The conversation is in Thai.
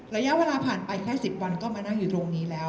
ระยะเวลาผ่านไปแค่๑๐วันก็มานั่งอยู่ตรงนี้แล้ว